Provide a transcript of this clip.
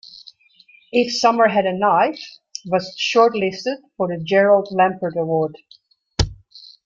"If Summer Had a Knife" was shortlisted for the Gerald Lampert Award.